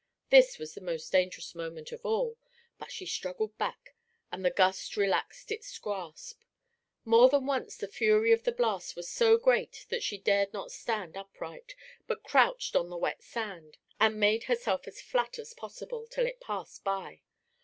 This was the most dangerous moment of all; but she struggled back, and the gust relaxed its grasp. More than once the fury of the blast was so great that she dared not stand upright, but crouched on the wet sand, and made herself as flat as possible, till it passed by.